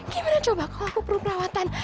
gimana coba kok aku perlu perawatan